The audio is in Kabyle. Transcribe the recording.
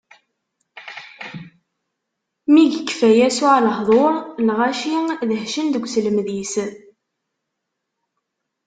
Mi yekfa Yasuɛ lehduṛ, lɣaci dehcen deg uselmed-is.